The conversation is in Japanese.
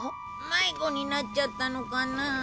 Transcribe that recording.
迷子になっちゃったのかなあ？